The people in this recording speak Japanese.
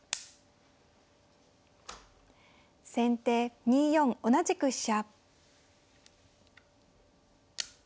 先手２四同じく飛車。